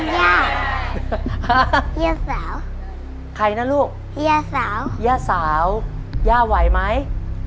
ย่าเฮียสาวใครนะลูกเฮียสาวย่าสาวย่าไหวไหม